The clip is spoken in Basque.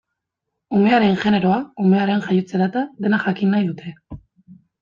Umearen generoa, umearen jaiotze data, dena jakin nahi dute.